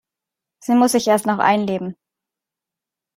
Sie muss sich erst noch einleben.